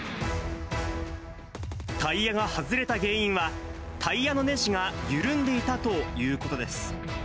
タイヤが外れた原因は、タイヤのねじが緩んでいたということです。